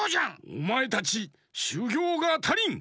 おまえたちしゅぎょうがたりん！